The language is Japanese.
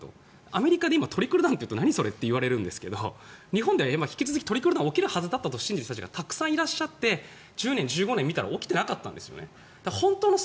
アメリカではトリクルダウンっていうと何それといわれるんですが日本では引き続きトリクルダウンがあると信じてる人がたくさんいらっしゃって１０年、１５年見たら起きていなかったんですね。